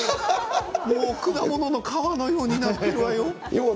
果物の皮のようになってるわよ。